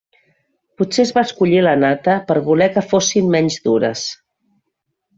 Potser es va escollir la nata per voler que fossin menys dures.